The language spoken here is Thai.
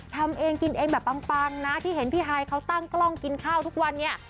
ทำเองกินเองแบบปังนะที่เห็นพี่ฮายเขาตั้งกล้องกินข้าวทุกวันเนี่ย